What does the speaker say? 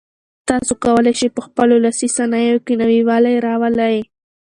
تاسي کولای شئ په خپلو لاسي صنایعو کې نوي والی راولئ.